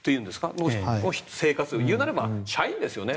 その人たちの生活言うならば社員ですよね。